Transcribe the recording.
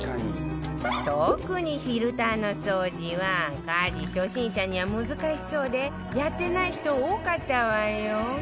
特にフィルターの掃除は家事初心者には難しそうでやってない人多かったわよ